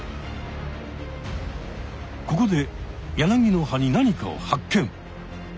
ここでヤナギの葉に何かを発見！